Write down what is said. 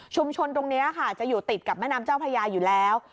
ตรงนี้ค่ะจะอยู่ติดกับแม่น้ำเจ้าพญาอยู่แล้ว